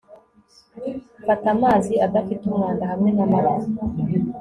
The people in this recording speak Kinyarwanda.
fata amazi adafite umwanda hamwe n'amata